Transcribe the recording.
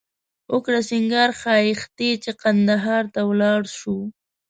وکړه سینگار ښایښتې چې قندهار ته ولاړ شو